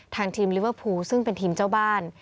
ทางทีมลิเวอร์พูลซึ่งเป็นทีมเจ้าบ้าน